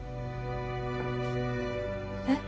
えっ？